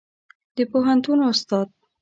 د پوهنتون استاد